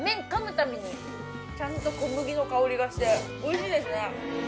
たびにちゃんと小麦の香りがしておいしいですね。